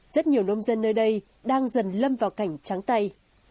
rất nhiều nông dân nơi đây đang dần lâm vào cảnh trắng tay